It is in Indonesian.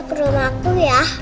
ke rumahku ya